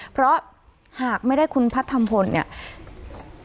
เพราะหากไม่ได้คุณพัฒนพลเนี่ย